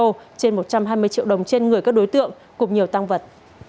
trên một trăm hai mươi triệu đồng trên người các đối tượng cùng nhiều tăng vật